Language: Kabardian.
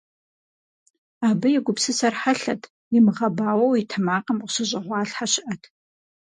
Абы и гупсысэр хьэлъэт, имыгъэбауэу и тэмакъым къыщыщӀэгъуалъхьэ щыӀэт.